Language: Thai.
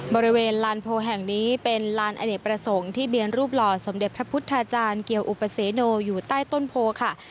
บริเวณลานโพแห่งนี้เป็นลานอเนกประสงค์ที่เบียนรูปหล่อสมเด็จพระพุทธาจารย์เกี่ยวอุปเสโนอยู่ใต้ต้นโพค่ะ